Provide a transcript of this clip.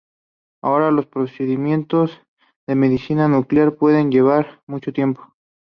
Ahora, los procedimientos de medicina nuclear pueden llevar mucho tiempo.